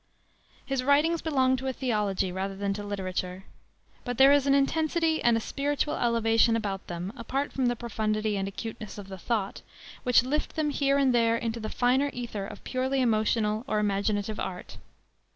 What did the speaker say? His writings belong to theology rather than to literature, but there is an intensity and a spiritual elevation about them, apart from the profundity and acuteness of the thought, which lift them here and there into the finer ether of purely emotional or imaginative art.